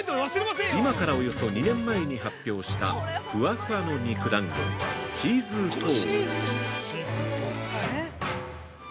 今からおよそ２年前に発表したふわふわの肉団子「獅子頭」。